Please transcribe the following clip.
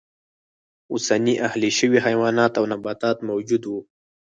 اوسني اهلي شوي حیوانات او نباتات موجود و.